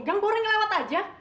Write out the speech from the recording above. gang borna ngelewat aja